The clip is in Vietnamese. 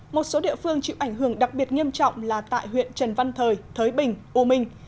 một số địa phương chịu ảnh hưởng đặc biệt nghiêm trọng là tại huyện trần văn thời thới bình u minh